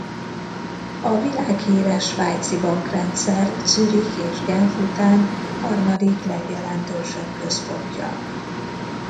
A világhíres svájci bankrendszer Zürich és Genf után harmadik legjelentősebb központja.